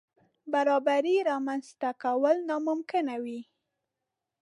برابرۍ رامنځ ته کول ناممکن وي.